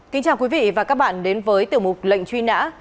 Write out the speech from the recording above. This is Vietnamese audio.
kính chào quý vị và các bạn đến với tiểu mục lệnh truy nã